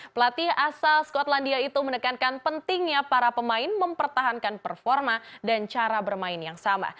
pelatih asal skotlandia itu menekankan pentingnya para pemain mempertahankan performa dan cara bermain yang sama